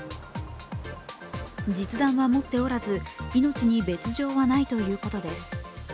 実弾は持っておらず命に別状はないということです。